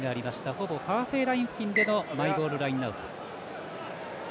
ほぼハーフウェーライン付近というマイボールラインアウト。